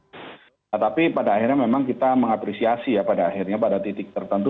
nah tapi pada akhirnya memang kita mengapresiasi ya pada akhirnya pada titik tertentu